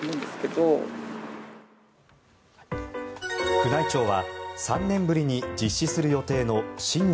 宮内庁は３年ぶりに実施する予定の新年